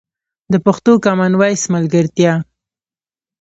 د پښتو کامن وایس ملګرتیا